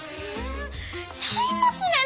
ちゃいますねん！